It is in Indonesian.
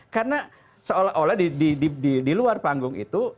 karena seolah olah di luar panggung itu